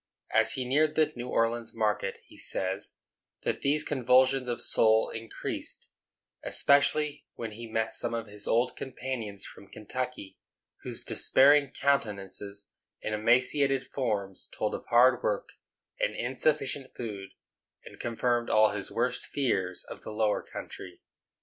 As he neared the New Orleans market, he says that these convulsions of soul increased, especially when he met some of his old companions from Kentucky, whose despairing countenances and emaciated forms told of hard work and insufficient food, and confirmed all his worst fears of the lower country.